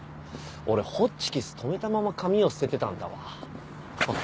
俺ホッチキスとめたまま紙を捨ててたんだわ。